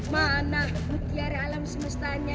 mana mutiara alam semestanya